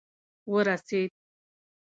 ورسېد.